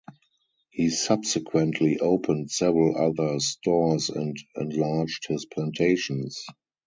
He subsequently opened several other stores and enlarged his plantations.